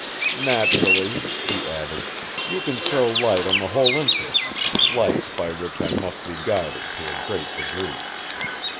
"Naturally," he added, "you can throw light on the whole incident light by which I must be guided, to a great degree."